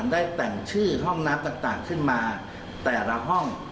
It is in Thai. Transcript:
ได้แต่งชื่อห้องน้ำต่างขึ้นมาแต่ละห้อง